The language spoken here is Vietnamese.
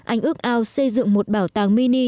anh ước ao xây dựng một bảo tàng mini